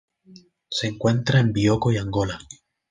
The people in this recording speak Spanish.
Se encuentra en Bioko y Angola.